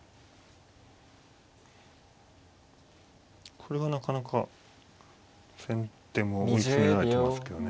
これがなかなか先手も追い詰められてますけどね。